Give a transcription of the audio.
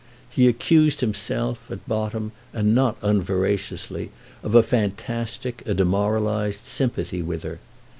He accused himself, at bottom and not unveraciously, of a fantastic, a demoralised sympathy with her.